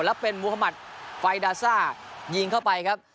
แล้วเป็นมุธมัติไฟดาซ่ายิงเข้าไปครับ